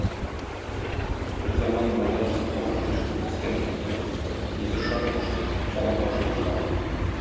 Берзаман малай ят тавыш ишетеп сискәнеп киткән; нидер шарт та шорт итеп салам ашый башлаган.